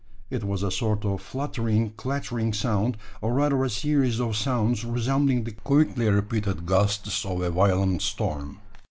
It was a sort of fluttering, clattering sound, or rather a series of sounds, resembling the quickly repeated gusts of a violent storm.